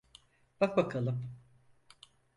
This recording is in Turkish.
Bak bakalım.